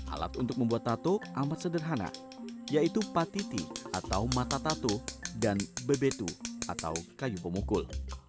alat untuk membuat tato amat sederhana yaitu patiti atau mata tato dan bebetu atau kayu pemukul